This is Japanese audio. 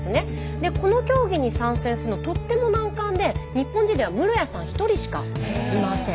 でこの競技に参戦するのとっても難関で日本人では室屋さん１人しかいません。